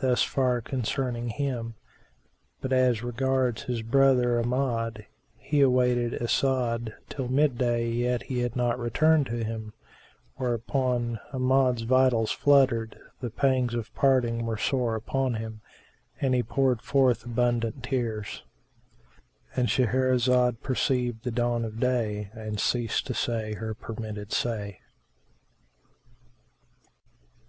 Thus far concerning him; but as regards his brother Amjad, he awaited As'ad till mid day yet he returned not to him: whereupon Amjad's vitals fluttered, the pangs of parting were sore upon him and he poured forth abundant tears,—And Shahrazad perceived the dawn of day and ceased to say her permitted say.